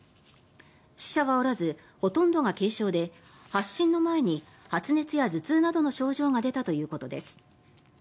死者はおらずほとんどが軽症で発疹の前に発熱や頭痛などの症状が出たということです。